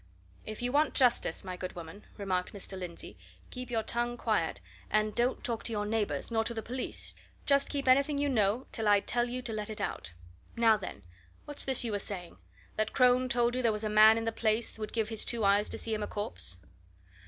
"If you want justice, my good woman," remarked Mr. Lindsey, "keep your tongue quiet, and don't talk to your neighbours, nor to the police just keep anything you know till I tell you to let it out. Now, then, what's this you were saying? that Crone told you there was a man in the place would give his two eyes to see him a corpse?"